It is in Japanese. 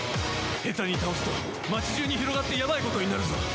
ヘタに倒すと街中に広がってヤバいことになるぞ。